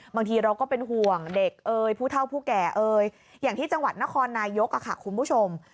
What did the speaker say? บางทีเราก็เป็นห่วงเด็กเอ่ยผู้เท่าผู้แก่เอ่ยอย่างที่จังหวัดนครนายกคุณผู้ชม